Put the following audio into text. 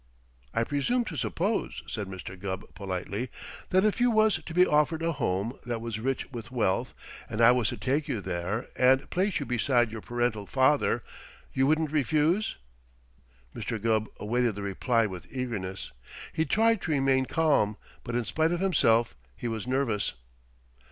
"I presume to suppose," said Mr. Gubb politely, "that if you was to be offered a home that was rich with wealth and I was to take you there and place you beside your parental father, you wouldn't refuse?" Mr. Gubb awaited the reply with eagerness. He tried to remain calm, but in spite of himself he was nervous.